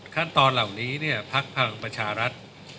ขั้นตอนเหล่านี้ภาคภังประชารัฐ